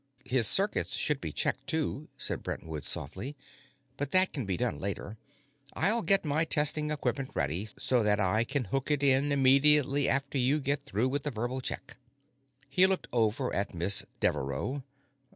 "His circuits should be checked, too," said Brentwood softly. "But that can be done later. I'll get my testing equipment ready, so that I can hook it in immediately after you get through with the verbal check." He looked over at Miss Deveraux.